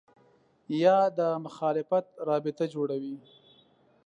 یا د مخالفت رابطه جوړوي